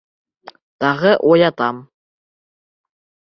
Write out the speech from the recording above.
Тағы уятам.